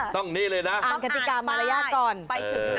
ต้องนี่เลยนะเค้าอ่านป้าย